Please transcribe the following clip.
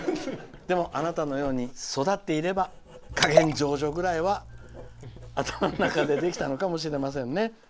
でもあなたのように育っていれば加減乗除ぐらいは頭の中でできたのかもしれませんね。